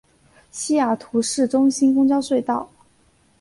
西雅图市中心公交隧道。